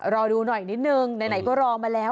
รอดูหน่อยนิดนึงไหนก็รอมาแล้ว